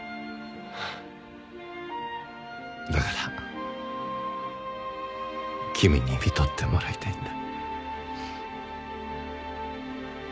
だから君に看取ってもらいたいんだ。